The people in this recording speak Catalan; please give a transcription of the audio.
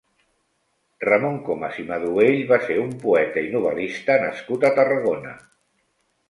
Ramon Comas i Maduell va ser un poeta i novel·lista nascut a Tarragona.